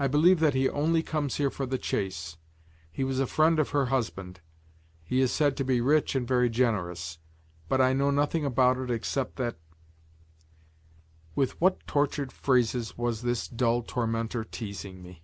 I believe that he only comes here for the chase; he was a friend of her husband; he is said to be rich and very generous; but I know nothing about it except that " With what tortured phrases was this dull tormentor teasing me.